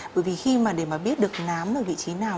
bởi vì khi mà để mà biết được nám ở vị trí nào